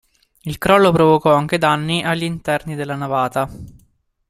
Il crollo provocò anche danni agli interni della navata.